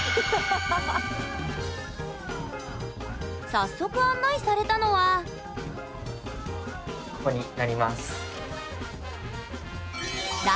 早速案内されたのはここになります。